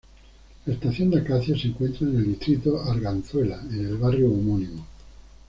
La estación de Acacias se encuentran en el distrito Arganzuela, en el barrio homónimo.